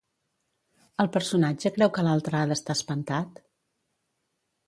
El personatge creu que l'altre ha d'estar espantat?